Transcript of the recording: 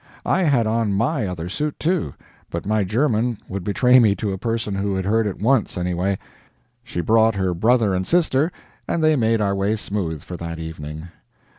I had on MY other suit, too, but my German would betray me to a person who had heard it once, anyway. She brought her brother and sister, and they made our way smooth for that evening.